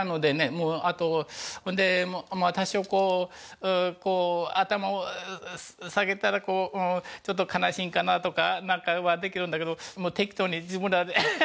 もうあとほんでまあ多少こう頭を下げたらちょっと悲しいんかなとかなんかはできるんだけど。